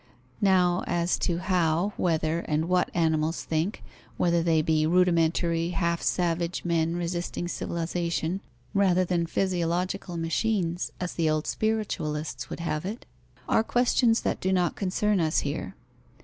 Now as to how, whether, and what animals think, whether they be rudimentary, half savage men resisting civilization, rather than physiological machines, as the old spiritualists would have it, are questions that do not concern us here.